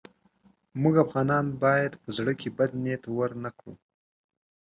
موږ افغانان باید په زړه کې بد نیت ورنه کړو.